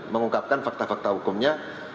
mengungkapkan fakta fakta hukumnya